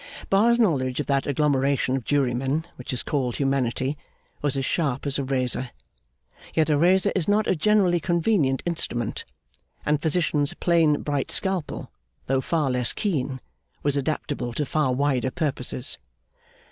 Bar's knowledge of that agglomeration of jurymen which is called humanity was as sharp as a razor; yet a razor is not a generally convenient instrument, and Physician's plain bright scalpel, though far less keen, was adaptable to far wider purposes.